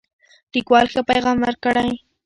لیکوال ښه پیغام ورکړی.